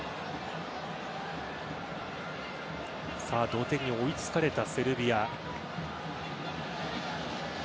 同点に追いつかれたセルビア。